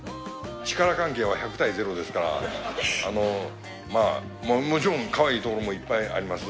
力関係は１００対０ですから、まあ、もちろん、かわいいところもいっぱいあります。